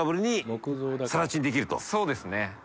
そうですね。